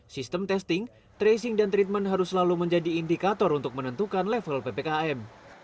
sistem testing tracing dan treatment harus selalu menjadi indikator untuk menentukan level ppkm